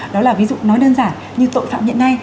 đó là ví dụ nói đơn giản như tội phạm hiện nay